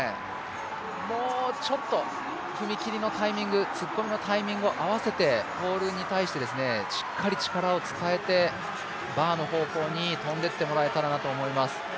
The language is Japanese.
もうちょっと、踏切のタイミング突っ込みのタイミングを合わせてポールに対して、しっかり力を伝えてバーの方向に跳んでいってもらえたらなと思います。